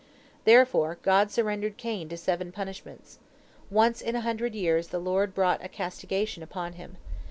Therefore God surrendered Cain to seven punishments. Once in a hundred years the Lord brought a castigation upon him.